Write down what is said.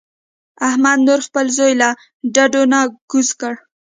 احمد نور خپل زوی له ډډو نه کوز کړ.